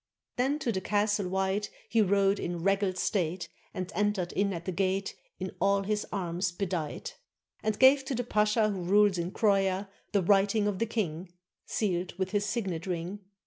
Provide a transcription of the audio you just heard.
Then to the Castle White He rode in regal state, And entered in at the gate In all his arms bedight, And gave to the pasha Who rules in Croia The writing of the king, Sealed with his signet ring.